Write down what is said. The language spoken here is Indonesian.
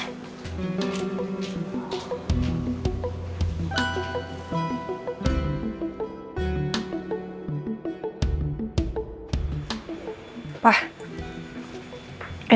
iya iya iya saya ke situ sekarang